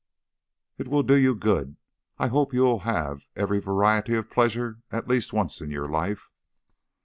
"It will do you good. I hope you will have every variety of pleasure at least once in your life."